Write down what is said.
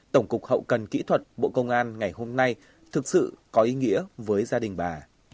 tổng cục hậu cần kỹ thuật bộ công an ngày hôm nay thực sự có ý nghĩa với gia đình bà